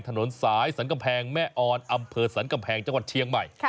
ถนนสายสรรกำแพงแม่ออนอำเภอสรรกำแพงจังหวัดเชียงใหม่